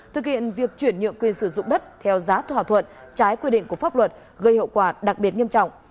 thực hiện việc chuyển nhượng quyền sử dụng đất theo giá thỏa thuận trái quy định của pháp luật gây hậu quả đặc biệt nghiêm trọng